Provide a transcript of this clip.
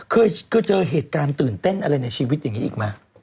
เคยเจอเหตุการณ์ตื่นเต้นอะไรในชีวิตอย่างนี้อีกไหม